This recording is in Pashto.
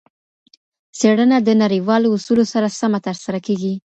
څېړنه د نړیوالو اصولو سره سمه ترسره کیږي.